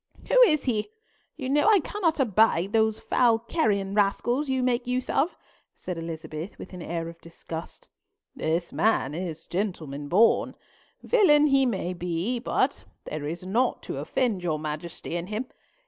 "Who is he? You know I cannot abide those foul carrion rascals you make use of," said Elizabeth, with an air of disgust. "This man is gentleman born. Villain he may be, but there is naught to offend your Majesty in him.